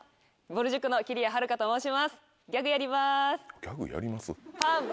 ぼる塾のきりやはるかと申します。